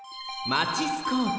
マチスコープ。